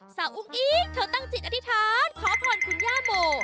อุ้งอิ๊งเธอตั้งจิตอธิษฐานขอพรคุณย่าโม